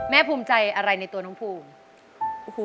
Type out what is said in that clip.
ภูมิใจอะไรในตัวน้องภูมิ